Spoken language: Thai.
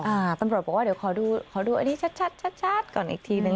อ่าปัญหาบอกว่าเดี๋ยวขอดูขอดูอันนี้ชัดก่อนอีกทีนึง